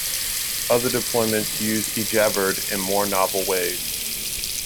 Other deployments use ejabberd in more novel ways.